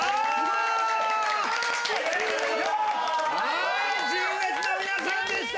はい純烈の皆さんでした！